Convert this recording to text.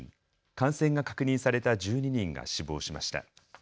感染が確認された１２人が死亡しました。